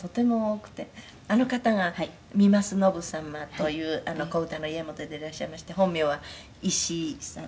「あの方が三升延様という小唄の家元でいらっしゃいまして本名は石井さん